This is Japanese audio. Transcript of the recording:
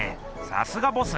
さすがボス。